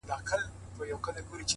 زه په دې افتادګۍ کي لوی ګَړنګ یم’